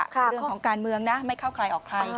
เรื่องของการเมืองนะไม่เข้าใครออกใคร